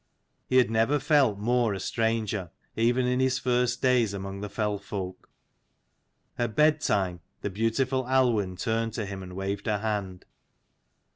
He had never felt more a stranger, even in his first days among the fell folk. At bed time, the beautiful Aluinn turned to him and waved her hand.